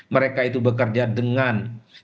mereka itu bekerja dengan